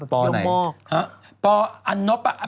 ปอไหนปออันนปะ